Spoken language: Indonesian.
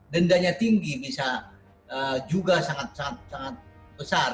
dendanya tinggi bisa juga sangat besar